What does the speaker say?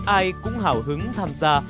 ai cũng hào hứng tham gia